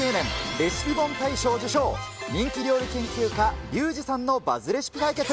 レシピ本大賞受賞、人気料理研究家、リュウジさんのバズレシピ対決。